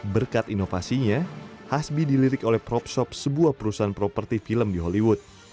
berkat inovasinya hasbi dilirik oleh propshop sebuah perusahaan properti film di hollywood